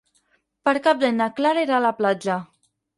Per Cap d'Any na Clara irà a la platja.